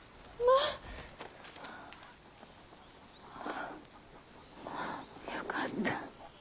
あぁよかった。